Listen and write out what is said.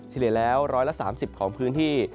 เฉลี่ยแล้ว๑๓๐ของพื้นที่